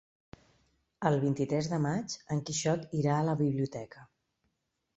El vint-i-tres de maig en Quixot irà a la biblioteca.